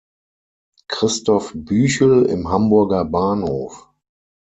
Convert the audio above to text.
Christoph Büchel im Hamburger Bahnhof